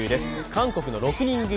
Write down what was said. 韓国の６人組